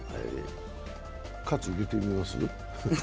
喝入れてみます？